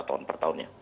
tahun per tahunnya